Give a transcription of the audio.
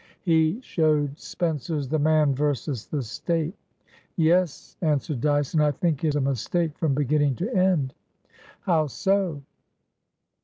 He showed Spencer's "The Man versus the State." "Yes," answered Dyce, "and I think it a mistake from beginning to end." "How so?"